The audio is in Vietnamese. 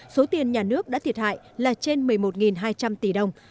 số tiền nhà nước đã thiệt hại là trên một mươi một hai trăm linh tỷ đồng